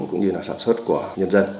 cũng như sản xuất của nhân dân